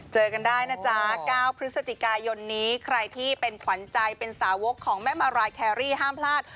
เจอกันได้นะจ๊ะ๙พฤศจิกายนนี้ใครที่เป็นขวัญใจเป็นสาวกของแม่มารายแครรี่ห้ามพลาด